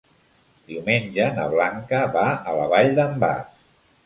Diumenge na Blanca va a la Vall d'en Bas.